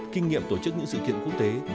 kinh nghiệm tổ chức những sự kiện quốc tế